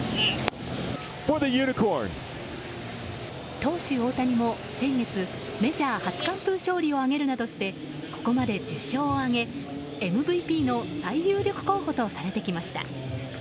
投手・大谷も先月メジャー初完封勝利を挙げるなどしてここまで１０勝を挙げＭＶＰの最有力候補とされてきました。